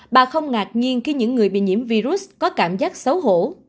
bà không ngạc nhiên khi những người bị nhiễm virus có cảm giác xấu hổ